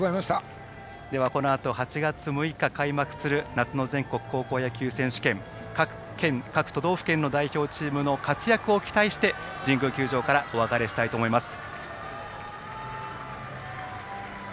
このあと８月６日開幕する夏の全国高校野球選手権各都道府県の代表の活躍を期待して神宮球場からお別れしたいと思います。